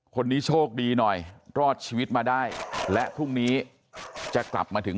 คนนี้โชคดีหน่อยรอดชีวิตมาได้และพรุ่งนี้จะกลับมาถึง